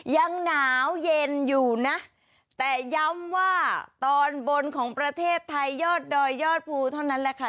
ยังหนาวเย็นอยู่นะแต่ย้ำว่าตอนบนของประเทศไทยยอดดอยยอดภูเท่านั้นแหละค่ะ